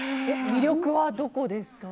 魅力はどこですか？